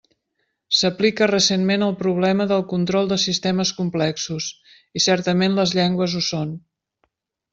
S'aplica recentment al problema del control de sistemes complexos, i certament les llengües ho són.